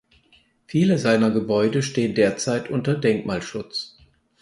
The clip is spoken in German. Viele seiner Gebäude stehen derzeit unter Denkmalschutz.